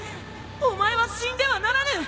お前は死んではならぬ！